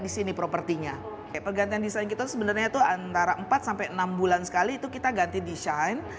sebenarnya itu antara empat sampai enam bulan sekali itu kita ganti desain